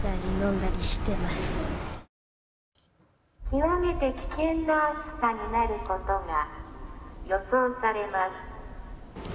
極めて危険な暑さになることが予想されます。